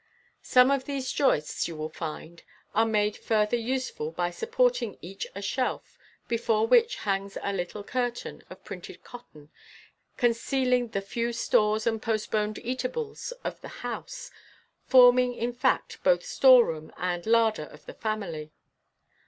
Some of these joists, you will find, are made further useful by supporting each a shelf, before which hangs a little curtain of printed cotton, concealing the few stores and postponed eatables of the house forming, in fact, both store room and larder of the family.